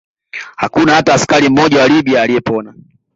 Hakuna hata askari mmoja wa Libya aliyepona